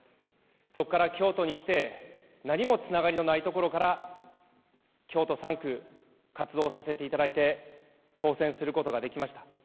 そこから京都に来て、何もつながりのないところから、京都３区、活動させていただいて、当選することができました。